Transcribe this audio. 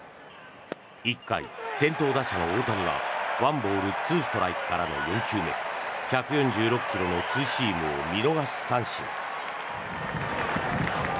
１回、先頭打者、大谷は１ボール２ストライクからの４球目１４６ｋｍのツーシームを見逃し三振。